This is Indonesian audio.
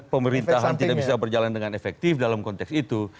pemerintahan tidak bisa berjalan dengan efektif dalam konteks itu